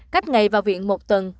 cách ngày vào huyện một tuần